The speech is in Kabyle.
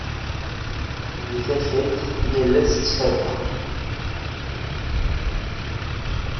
Deg takayt, yallas ttfadeɣ.